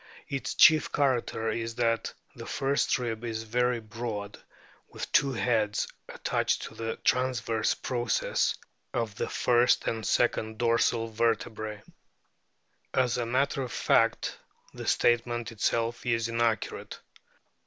Its chief character is that "the first rib is very broad with two heads attached to the transverse processes of the first and second dorsal vertebrae." As a matter of fact the statement itself is inaccurate.